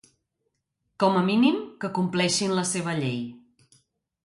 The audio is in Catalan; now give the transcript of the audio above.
Com a mínim, que compleixin la seva llei.